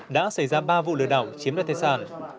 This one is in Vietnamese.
đã xảy ra ba vụ lừa đảo chiếm đoạt tài sản